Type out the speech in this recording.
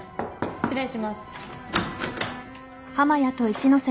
・・失礼します。